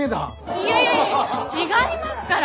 いやいやいやいや違いますから。